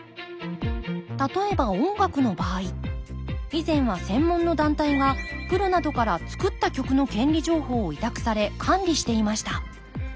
例えば音楽の場合以前は専門の団体がプロなどから作った曲の権利情報を委託され管理していました。